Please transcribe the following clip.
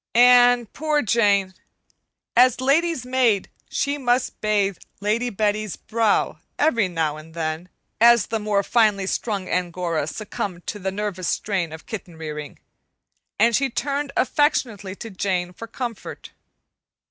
And, poor Jane! As lady's maid she must bathe Lady Betty's brow every now and then, as the more finely strung Angora succumbed to the nervous strain of kitten rearing, and she turned affectionately to Jane for comfort.